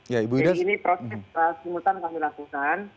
jadi ini proses perasimutan kami lakukan